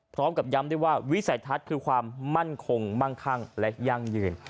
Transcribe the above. พร้อมกับย้ำด้วยว่าวิสัยทัศน์คือความมั่นคงมั่งคั่งและยั่งยืน